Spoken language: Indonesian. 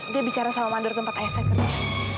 dia bicara sama mandor tempat ayah saya ke tempat